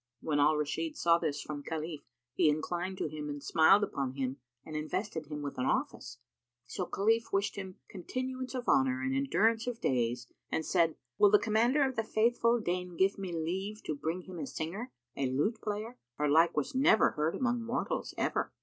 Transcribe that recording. When Al Rashid saw this from Khalif, he inclined to him and smiled upon him and invested him with an office; so Khalif wished him continuance of honour and endurance of days and said, "Will the Commander of the Faithful deign give me leave to bring him a singer, a lute player her like was never heard among mortals ever?"